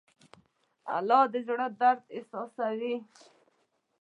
الله د زړه درد احساسوي.